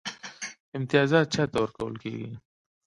امتیازات چا ته ورکول کیږي؟